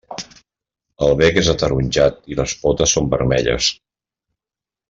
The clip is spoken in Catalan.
El bec és ataronjat i les potes són vermelles.